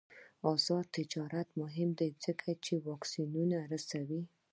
آزاد تجارت مهم دی ځکه چې واکسینونه رسوي.